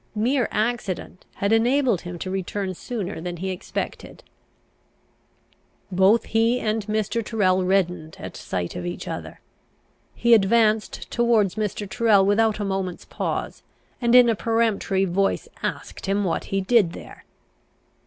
Mere accident had enabled him to return sooner than he expected. Both he and Mr. Tyrrel reddened at sight of each other. He advanced towards Mr. Tyrrel without a moment's pause, and in a peremptory voice asked him what he did there?